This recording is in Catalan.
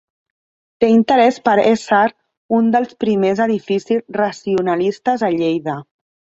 Té interès per ésser un dels primers edificis racionalistes a Lleida.